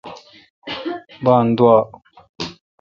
بان دووا۔